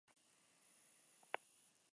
Fue enterrado en el Cementerio de Asís.